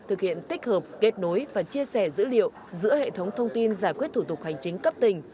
thực hiện tích hợp kết nối và chia sẻ dữ liệu giữa hệ thống thông tin giải quyết thủ tục hành chính cấp tỉnh